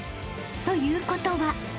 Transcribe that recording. ［ということは］